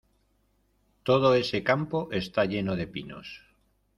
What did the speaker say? Todo ese campo está lleno de pinos.